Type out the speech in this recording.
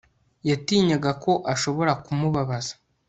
Yatinyaga ko ashobora kumubabaza